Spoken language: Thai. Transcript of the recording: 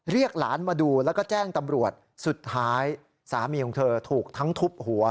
หลานมาดูแล้วก็แจ้งตำรวจสุดท้ายสามีของเธอถูกทั้งทุบหัว